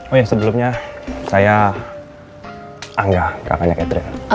oh iya sebelumnya saya angga kakaknya catherine